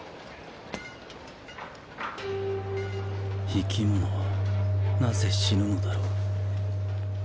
生き物はなぜ死ぬのだろう